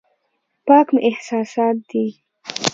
پاک مې احساسات دي.